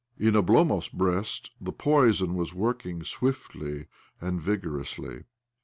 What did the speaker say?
In Oblomoy's breast the poison was work ing swiftly and vigorously.